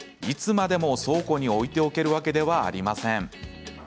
いつまでも倉庫に置いておけるわけではありません。